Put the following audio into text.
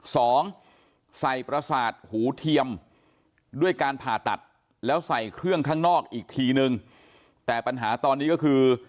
สองใส่ประสาทหูเทียมด้วยการผ่าตัดแล้วใส่เครื่องข้างนอกอีกทีนึงแต่ปัญหาตอนนี้ก็คือ